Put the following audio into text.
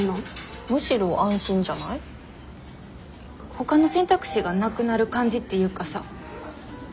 ほかの選択肢がなくなる感じっていうかさ。